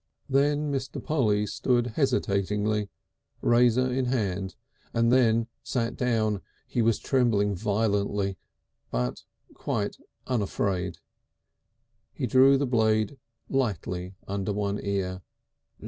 Then Mr. Polly stood hesitating, razor in hand, and then sat down. He was trembling violently, but quite unafraid. He drew the blade lightly under one ear.